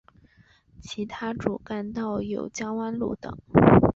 其他主干道有江湾路等。